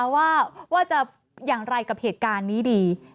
ว่าจะอย่างไรกับเหตุการณ์นี้ดี